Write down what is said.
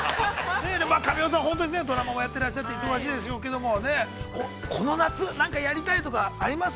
神尾さん、本当にドラマもやってて、忙しいでしょうけども、この夏、何か、やりたいとかあります？